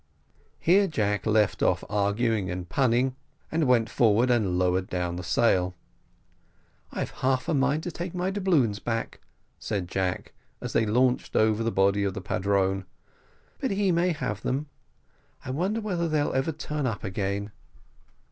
Here Jack left off arguing and punning, and went forward and lowered down the sail. "I've half a mind to take my doubloons back," said Jack, as they launched over the body of the padrone, "but he may have them I wonder whether they'll ever turn up again?"